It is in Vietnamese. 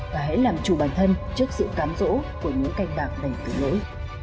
và hãy làm chủ bản thân trước sự cám dỗ của những canh bạc đành tự lỗi